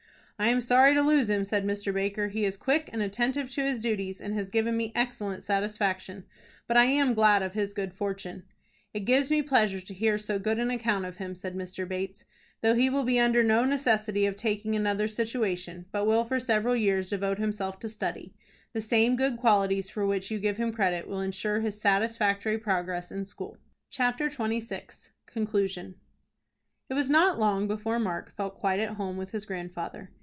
"I am sorry to lose him," said Mr. Baker. "He is quick and attentive to his duties, and has given me excellent satisfaction; but I am glad of his good fortune." "It gives me pleasure to hear so good an account of him," said Mr. Bates. "Though he will be under no necessity of taking another situation, but will for several years devote himself to study, the same good qualities for which you give him credit will insure his satisfactory progress in school." CHAPTER XXVI. CONCLUSION. It was not long before Mark felt quite at home with his grandfather.